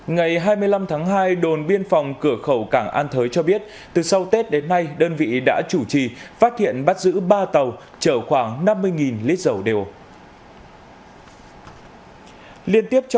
ngày hai mươi năm tháng hai đồn biên phòng cửa khẩu cảng an thới cho biết từ sau tết đến nay đơn vị đã chủ trì phát hiện bắt giữ ba tàu chở khoảng năm mươi lít dầu đều